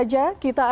terima kasih pak